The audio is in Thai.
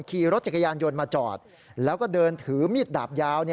ขี่รถจักรยานยนต์มาจอดแล้วก็เดินถือมีดดาบยาว